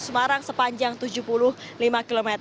semarang sepanjang tujuh puluh lima km